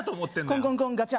コンコンコンガチャ